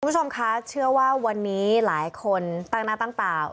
คุณผู้ชมคะเชื่อว่าวันนี้หลายคนตั้งหน้าตั้งตา